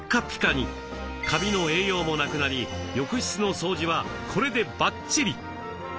カビの栄養もなくなり浴室の掃除はこれでバッチリ。